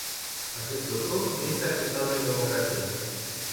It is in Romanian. Acest lucru nu este acceptabil în democrație.